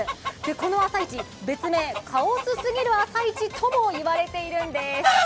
この朝市、別名・カオスすぎる朝市とも言われているんです。